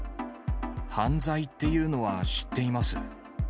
犯罪っていうのは知っています。